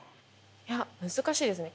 いや難しいですね。